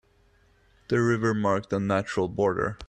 The river marked a natural border.